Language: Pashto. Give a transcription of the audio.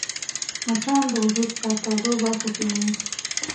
مچان د وجود پر تودو برخو کښېني